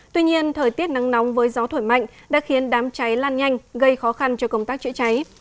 tuy nhiên thời tiết nắng nóng với gió thổi mạnh đã khiến đám cháy lan nhanh gây khó khăn cho công tác chữa cháy